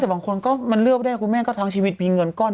แต่บางคนก็มันเลือกได้คุณแม่ก็ทั้งชีวิตมีเงินก้อน